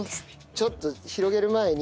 ちょっと広げる前に。